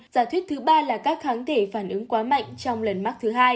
giả thuyết thứ ba là các kháng thể phản ứng quá mạnh trong lần mắc thứ hai